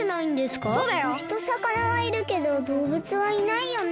むしとさかなはいるけどどうぶつはいないよね。